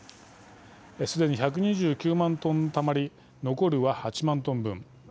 すでに１２９万トンたまり残るは８万トン分。